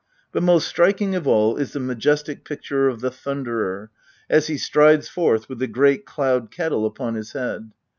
But most striking of all is the majestic picture of the Thunderer as he strides forth with the great cloud kettle upon his head.